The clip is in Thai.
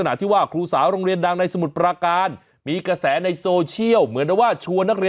นั่งในสมุทรปราการมีกระแสในโซเชียล